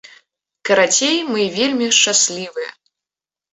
Карацей, мы вельмі шчаслівыя!